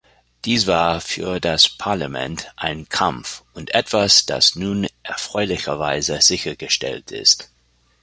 Dies war für das Parlament ein Kampf und etwas, das nun erfreulicherweise sichergestellt ist.